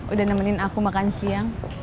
udah nemenin aku makan siang